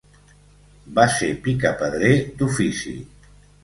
Va ser picapedrer d’ofici.